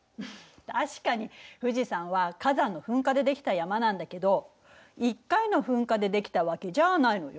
確かに富士山は火山の噴火で出来た山なんだけど１回の噴火で出来たわけじゃないのよ。